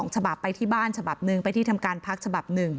ฉบับไปที่บ้านฉบับหนึ่งไปที่ทำการพักฉบับ๑